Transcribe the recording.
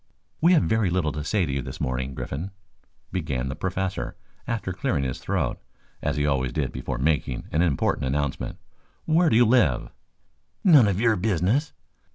"We have very little to say to you this morning, Griffin," began the Professor, after clearing his throat, as he always did before making an important announcement. "Where do you live?" "None of your business."